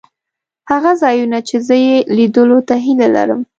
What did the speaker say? هغه ځایونه چې زه یې لیدلو ته هیله لرم.